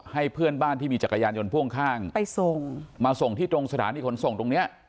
ให้เพื่อนบ้านที่มีจักรยานยนต์พ่วงข้างไปส่งมาส่งที่ตรงสถานีขนส่งตรงเนี้ย